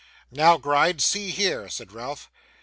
'Now, Gride, see here,' said Ralph.